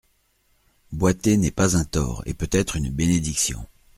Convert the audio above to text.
Boiter n'est pas un tort, et peut être une bénédiction.